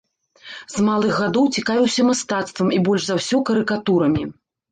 З малых гадоў цікавіўся мастацтвам і больш за ўсё карыкатурамі.